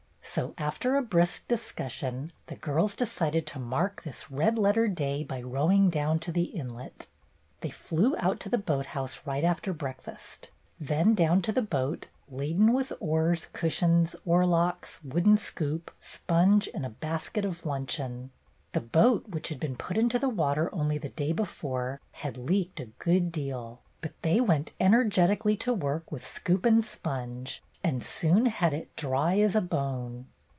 So, after a brisk discussion, the girls decided to mark this red letter day by rowing down to the inlet. They flew out to the boat house right after breakfast, then down to the boat, laden with oars, cushions, oarlocks, wooden scoop, sponge, and a basket of luncheon. The boat, which had been put into the water only the day before, had leaked a good deal, but they went energetically to work with scoop and sponge, and soon had it dry as a bone.